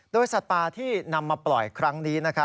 โดยสัตว์ป่าที่นำมาปล่อยครั้งนี้